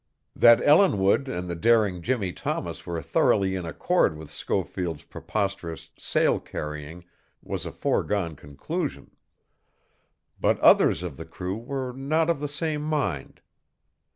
That Ellinwood and the daring Jimmie Thomas were thoroughly in accord with Schofield's preposterous sail carrying was a foregone conclusion. But others of the crew were not of the same mind.